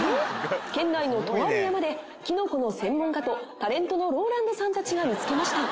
県内のとある山でキノコの専門家とタレントのＲＯＬＡＮＤさんたちが見つけました。